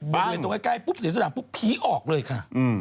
เบลือนตรงไกลปุ๊บเสียสถานปุ๊บผีออกเลยค่ะ